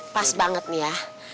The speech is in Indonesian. pas banget nih ya